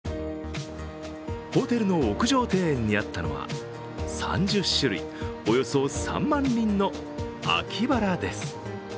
ホテルの屋上庭園にあったのは３０種類、およそ３万輪の秋バラです。